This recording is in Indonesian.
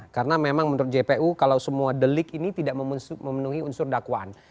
karena memang menurut jpu kalau semua delik ini tidak memenuhi unsur dakwaan